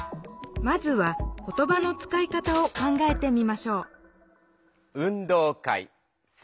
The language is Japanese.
まずは言ばのつかい方を考えてみましょう「運動会声援の中」